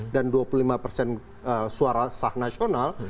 dan dua puluh lima persen suara sah nasional